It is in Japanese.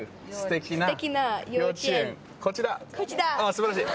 素晴らしい！